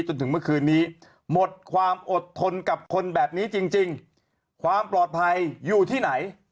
จนถึงเมื่อคืนนี้หมดความอดทนกับคนแบบนี้จริงความปลอดภัยอยู่ที่ไหน